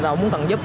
và họ muốn cần giúp